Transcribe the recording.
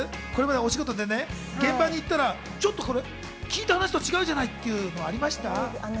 お仕事で現場に行ったら、ちょっと聞いた話と違うじゃない？ってありました？